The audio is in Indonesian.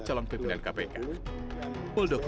kepala staf kepresidenan